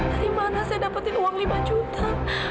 dari mana saya dapetin uang lima juta